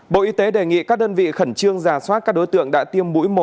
bộ y tế đề nghị các đơn vị khẩn trương giả soát các đối tượng đã tiêm mũi một